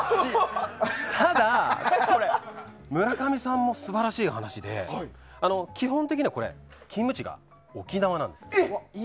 ただ、村上さんも素晴らしい話で基本的にはこれ勤務地が沖縄なんですよ。